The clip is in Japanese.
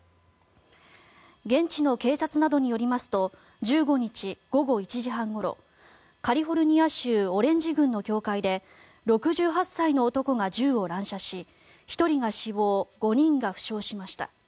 現地の警察などによりますと１５日午後１時半ごろカリフォルニア州オレンジ郡の教会で６８歳の男が銃を乱射し１人が死亡５人が負傷しました。